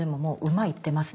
馬行ってます。